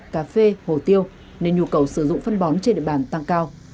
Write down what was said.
cà phê hồ tiêu nên nhu cầu sử dụng phân bón trên địa bàn tăng cao